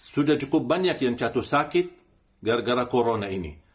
sudah cukup banyak yang jatuh sakit gara gara corona ini